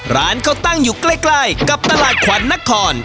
ร้านเขาตั้งอยู่ใกล้กับตลาดขวัญนคร